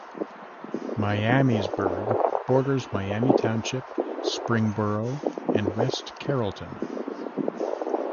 Miamisburg borders Miami Township, Springboro, and West Carrollton.